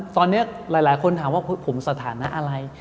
ตอนนี้หลายคนถามว่าผมสถานะอะไร